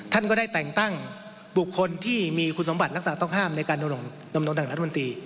ท่านก็ได้แต่งตั้งบุคคลที่มีคุณสมบัติรักษาต้องห้ามในการดำรงทางรัฐมนตรี